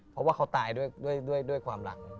เพราะว่าเขาตายด้วยความรัก